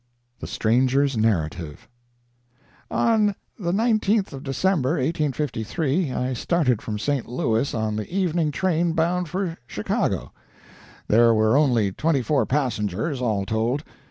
THE STRANGER'S NARRATIVE "On the 19th of December, 1853, I started from St. Louis on the evening train bound for Chicago. There were only twenty four passengers, all told.